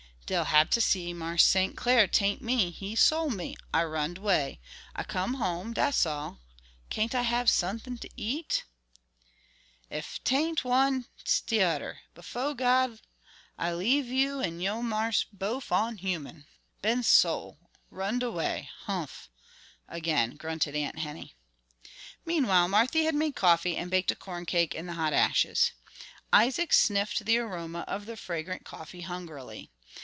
"Dey'll hab ter see Marse St. Clar, tain't me. He sol' me. I runned 'way. I come home, dat's all. Kain't I hab suthin' to eat?" "Ef 'tain't one it's t'odder. Befo' God, I 'lieve you an' yo' marse bof onhuman. Been sol'! runned 'way! hump!" again grunted Aunt Henny. Meanwhile Marthy had made coffee and baked a corncake in the hot ashes. Isaac sniffed the aroma of the fragrant coffee hungrily.